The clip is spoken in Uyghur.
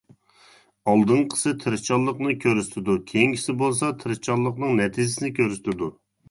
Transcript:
ئالدىنقىسى تىرىشچانلىقنى كۆرسىتىدۇ، كېيىنكىسى بولسا تىرىشچانلىقنىڭ نەتىجىسىنى كۆرسىتىدۇ.